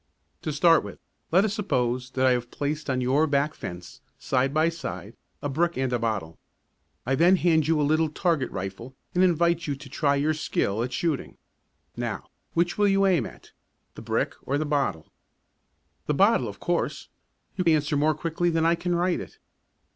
To start with, let us suppose that I have placed on your back fence, side by side, a brick and a bottle. I then hand you a little target rifle and invite you to try your skill at shooting. Now, which will you aim at the brick or the bottle? The bottle, of course. You answer more quickly than I can write it.